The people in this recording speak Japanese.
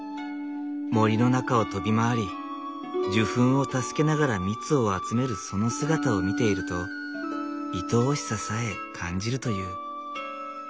森の中を飛び回り受粉を助けながら蜜を集めるその姿を見ているといとおしささえ感じるという。